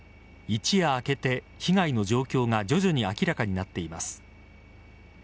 一夜明けて被害の状況が徐々に明らかになっています。